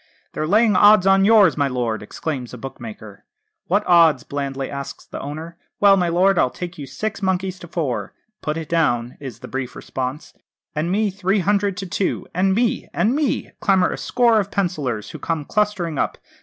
'They're laying odds on yours, my lord,' exclaims a bookmaker. 'What odds?' blandly asks the owner. 'Well, my lord, I'll take you six monkeys to four!' 'Put it down,' is the brief response. 'And me, three hundred to two and me and me!' clamour a score of pencillers, who come clustering up.